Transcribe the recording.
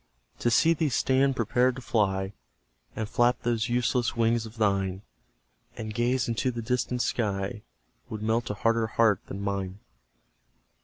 To see thee stand prepared to fly, And flap those useless wings of thine, And gaze into the distant sky, Would melt a harder heart than mine.